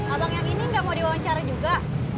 abang yang ini nggak mau di wawancara juga